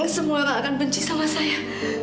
semua akan benci sama saya